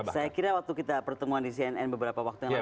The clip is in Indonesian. saya kira waktu kita pertemuan di cnn beberapa waktu yang lalu